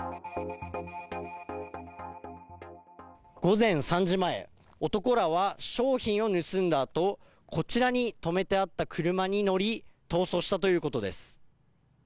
午前３時前男らは商品を盗んだあとこちらに止めてあった車に乗り逃走したということです。